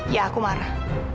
ya aku marah